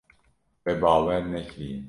We bawer nekiriye.